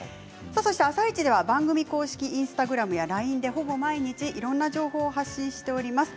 「あさイチ」では番組公式インスタグラムやＬＩＮＥでほぼ毎日いろいろな情報を発信しております。